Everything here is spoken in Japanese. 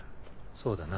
そうだな。